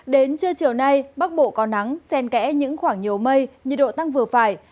đến trưa chiều nay bắc bộ có nắng sen kẽ những khoảng nhiều mây nhiệt độ tăng vừa phải